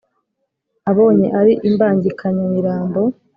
abonye ari imbangikanyamirambo,